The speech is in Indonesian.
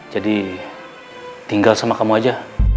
jadi tinggal sama kamu aja